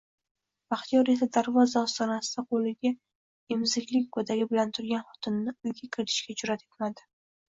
Baxtiyor esa darvoza ostonasida qoʻlida emizikli goʻdagi bilan turgan xotinini uyga kiritishga jurʼati yetmadi